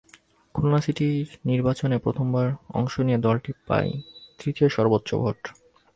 খুলনা সিটির নির্বাচনে প্রথমবার অংশ নিয়ে দলটি পায় তৃতীয় সর্বোচ্চ ভোট।